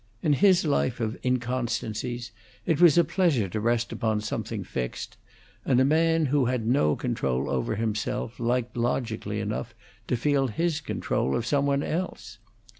In his life of inconstancies, it was a pleasure to rest upon something fixed, and the man who had no control over himself liked logically enough to feel his control of some one else.